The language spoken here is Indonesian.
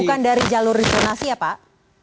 bukan dari jalur resonasi ya pak